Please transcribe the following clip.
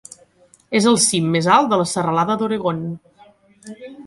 És el cim més alt de la serralada d'Oregon.